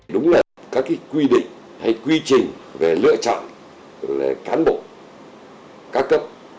đúng là các quy định hay quy trình về lựa chọn cán bộ ca cấp